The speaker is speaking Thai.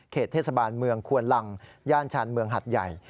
เทศบาลเมืองควนลังย่านชานเมืองหัดใหญ่